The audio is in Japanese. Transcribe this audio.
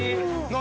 何？